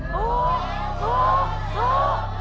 ปุ๊กปุ๊กปุ๊ก